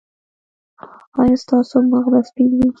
ایا ستاسو مخ به سپین وي؟